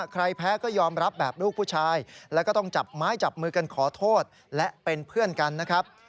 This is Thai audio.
ใครแพ้ก็ยอมรับแบบลูกผู้ชายแล้วก็ต้องจับไม้จับมือกันขอโทษและเป็นเพื่อนกันนะครับ